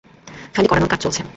খালি করানোর কাজ চলছে।